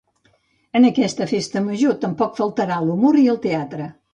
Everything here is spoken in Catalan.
En aquesta Festa Major tampoc faltarà l'humor i el teatre